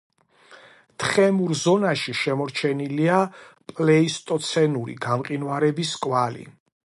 თხემურ ზონაში შემორჩენილია პლეისტოცენური გამყინვარების კვალი.